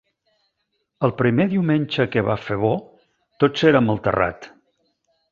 El primer diumenge que va fer bo, tots érem al terrat-